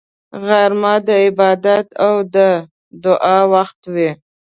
غرمه د عبادت او دعا وخت وي